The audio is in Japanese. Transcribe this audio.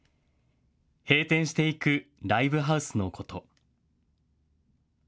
閉店していくライブハウスのこと。